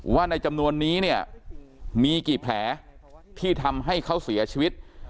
ว่าในจำนวนนี้เนี่ยมีกี่แผลที่ทำให้เขาเสียชีวิต